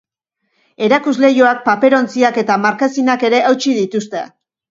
Erakusleihoak, paperontziak eta markesinak ere hautsi dituzte.